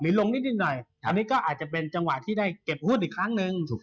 ลงนิดหน่อยอันนี้ก็อาจจะเป็นจังหวะที่ได้เก็บหุ้นอีกครั้งหนึ่ง